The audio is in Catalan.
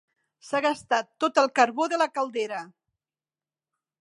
S'ha gastat tot el carbó de la caldera.